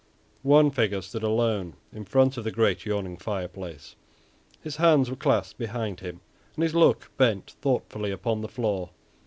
One figure stood alone in front of the great yawning fireplace. His hands were clasped behind him, and his look bent thoughtfully upon the floor.